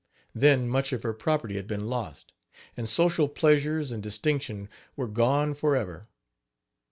Then much of her property had been lost, and social pleasures and distinction were gone forever.